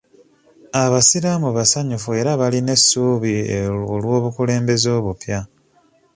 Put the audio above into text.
Abasiraamu basanyufu era balina essuubi olw'obukulembeze obupya.